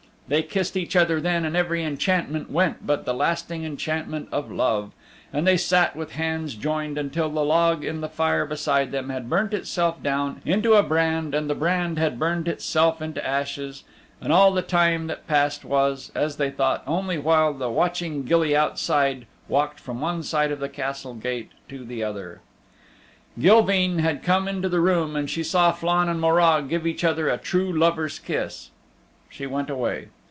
They kissed each other then, and every enchantment went but the lasting enchantment of love, and they sat with hands joined until the log in the fire beside them had burnt itself down into a brand and the brand had burnt itself into ashes, and all the time that passed was, as they thought, only while the watching gilly outside walked from one side of the Castle Gate to the other. Gilveen had come into the room and she saw Flann and Morag give each other a true lover's kiss. She went away.